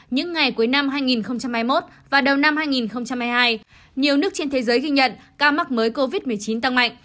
những ngày cuối năm hai nghìn hai mươi một và đầu năm hai nghìn hai mươi hai nhiều nước trên thế giới ghi nhận ca mắc mới covid một mươi chín tăng mạnh